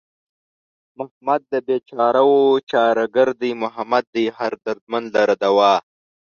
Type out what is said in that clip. محمد د بېچارهوو چاره گر دئ محمد دئ هر دردمند لره دوا